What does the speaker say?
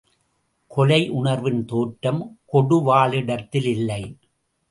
கொலையுணர்வின் தோற்றம் கொடுவாளிடத்திலில்லை.